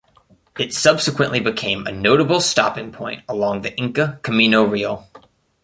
It subsequently became a notable stopping point along the Inca "Camino Real".